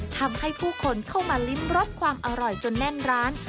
ทำให้ผู้คนเข้ามาลิ้มรสความอร่อยจนแน่นร้าน